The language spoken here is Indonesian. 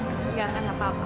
aku yakin kamu gak akan apa apa